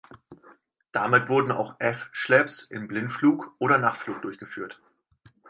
Damit wurden auch F-Schlepps in Blindflug oder Nachtflug durchgeführt.